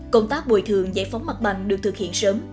công tác bồi thường giải phóng mặt bằng được thực hiện sớm